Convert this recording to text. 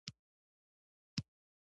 خپله لاره نه کړي هیره